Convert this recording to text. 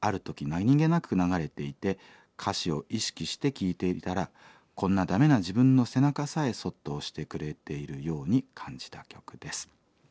何気なく流れていて歌詞を意識して聴いていたらこんなダメな自分の背中さえそっと押してくれているように感じた曲です」。